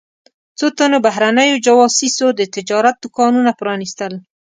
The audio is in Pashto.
څو تنو بهرنیو جواسیسو د تجارت دوکانونه پرانیستل.